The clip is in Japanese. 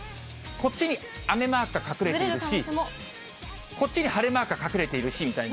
こっちに雨マークが隠れているし、こっちに晴れマークが隠れているしみたいな。